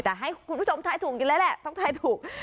แต่ให้คุณผู้ชมทายถูกกินแล้วแหละต้องทายถูก